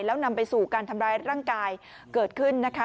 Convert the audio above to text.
แล้วนำไปสู่การทำร้ายร่างกายเกิดขึ้นนะคะ